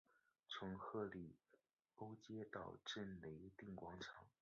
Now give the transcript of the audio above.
从赫里欧街到策肋定广场。